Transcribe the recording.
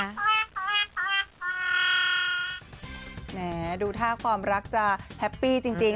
แน่ดูท่าความรักจ้าแฮปปี้จริง